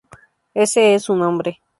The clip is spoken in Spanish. Ése es su nombre.